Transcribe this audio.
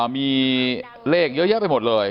มีเลขเยอะแยะไปหมดเลย